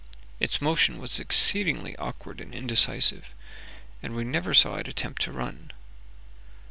Its motion was exceedingly awkward and indecisive, and we never saw it attempt to run.